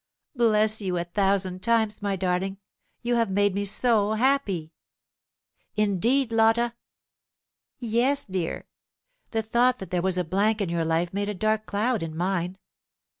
Bless you, a thousand times, my darling! You have made me so happy!" "Indeed, Lotta!" "Yes, dear. The thought that there was a blank in your life made a dark cloud in mine.